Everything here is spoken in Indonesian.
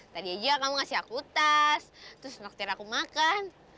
tadi aja kamu ngasih aku tas terus waktu aku makan